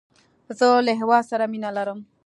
زه له هیواد سره مینه لرم